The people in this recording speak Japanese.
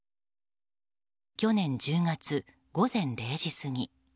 去年１０月、午前０時過ぎ。